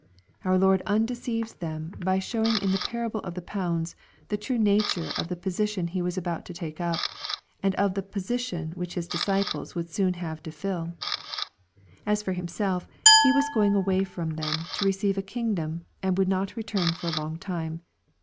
Our Lord undeceives them by showing in the parable of the pounds, the true nature of the position He was about to take up, and of the position which His disciples would soon have to fill. As for Himself, He was going away from them, to receive a kingdom, and would not return for a long time.